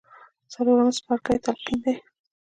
څلورم څپرکی تلقين دی.